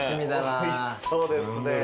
おいしそうですね。